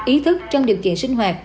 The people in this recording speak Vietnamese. ý thức trong điều kiện sinh hoạt